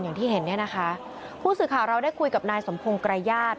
อย่างที่เห็นเนี่ยนะคะผู้สื่อข่าวเราได้คุยกับนายสมพงศ์ไกรญาติ